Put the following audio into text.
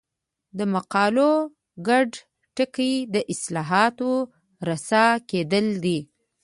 د مقالو ګډ ټکی د اصطلاحاتو رسا کېدل دي.